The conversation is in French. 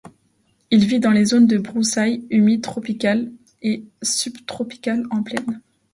Il vit dans les zones de broussailles humides tropicales et subtropicales en plaine.